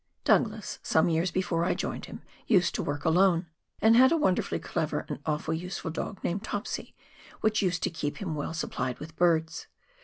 Douglas, some years before I joined him, used to work alone, and had a wonderfully clever and useful dog named " Topsy," which used to keep him well supplied with birds.